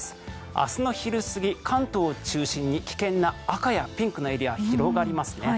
明日の昼過ぎ、関東を中心に危険な赤やピンクのエリアが広がりますね。